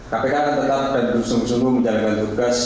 kpk akan tetap dan bersungguh sungguh menjalankan tugas